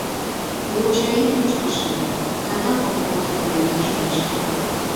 Лучо ит ӱчаше — садак ом колто тыйым тышеч.